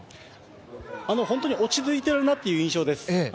落ち着いてるなという印象です。